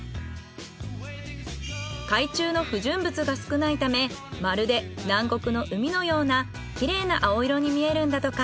海中の不純物が少ないためまるで南国の海のようなキレイな青色に見えるんだとか。